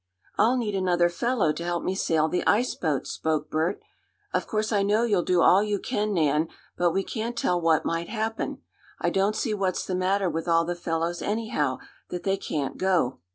"I'll need another fellow to help me sail the ice boat," spoke Bert. "Of course I know you'll do all you can, Nan, but we can't tell what might happen. I don't see what's the matter with all the fellows, anyhow, that they can't go."